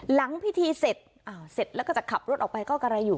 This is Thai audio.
หลังพิธีเสร็จเสร็จแล้วก็จะขับรถออกไปก็กะไรอยู่